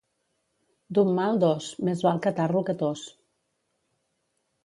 D'un mal dos, més val catarro que tos.